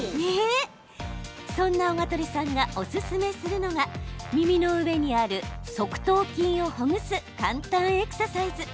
そんなオガトレさんがおすすめするのが、耳の上にある側頭筋をほぐす簡単エクササイズ。